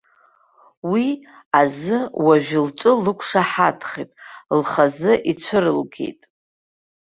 Уи азы уажәы лҿы лықәшаҳаҭхеит, лхазы ицәырылгеит.